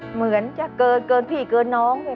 เหมือนจะเกินพี่เกินน้อง